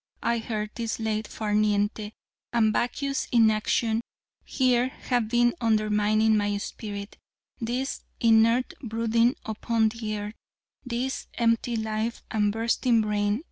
I heard. This late far niente and vacuous inaction here have been undermining my spirit; this inert brooding upon the earth; this empty life, and bursting brain!